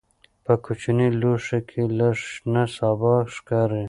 په کوچني لوښي کې لږ شنه سابه ښکاري.